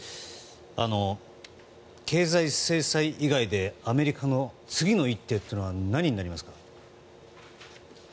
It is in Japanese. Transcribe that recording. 経済制裁以外でアメリカの次の一手は何になりますか？